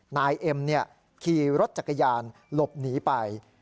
นายเอ็มขี่รถจักรยานหลบหนีไป